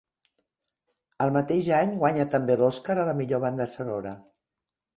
El mateix any guanya també l'Oscar a la millor banda sonora.